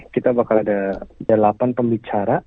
kita bakal ada delapan pembicara